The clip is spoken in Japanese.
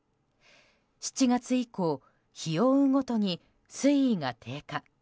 ７月以降日を追うごとに水位が低下。